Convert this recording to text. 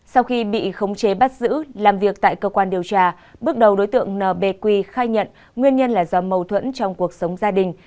sau khi bị khống chế bắt giữ làm việc tại cơ quan điều tra bước đầu đối tượng nbq khai nhận nguyên nhân là do mâu thuẫn trong cuộc sống gia đình